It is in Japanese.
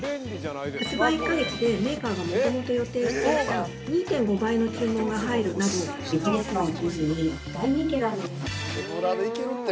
発売１か月で、メーカーがもともと予定していた２．５倍の注文が入るなどビジネスマンを中心に今大人気なんです。